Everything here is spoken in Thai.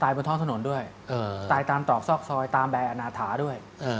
บนท้องถนนด้วยตายตามตรอกซอกซอยตามใบอาณาถาด้วย